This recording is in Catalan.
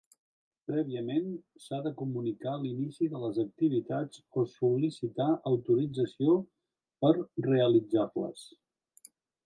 Prèviament s'ha de comunicar l'inici de les activitats o sol·licitar autorització per realitzar-les.